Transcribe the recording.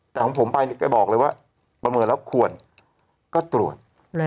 แต่ของผมไปแกบอกเลยว่าประเมินแล้วควรก็ตรวจ